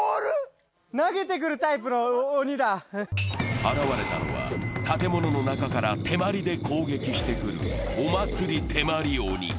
現れたのは、建物の中から手まりで攻撃してくるお祭り手まり鬼。